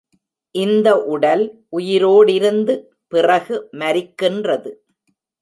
இந்த உடல் உயிரோடிருந்து, பிறகு மரிக்கின்றது.